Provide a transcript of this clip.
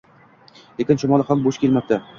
Lekin chumoli ham bo’sh kelmabdi